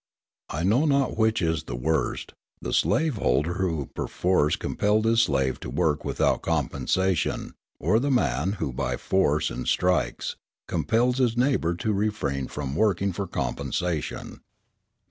I know not which is the worst, the slaveholder who perforce compelled his slave to work without compensation or the man who, by force and strikes, compels his neighbour to refrain from working for compensation.